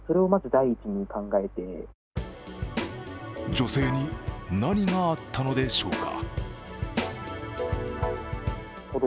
女性に何があったのでしょうか。